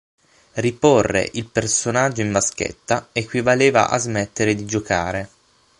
Riporre il personaggio in vaschetta equivaleva a smettere di giocare.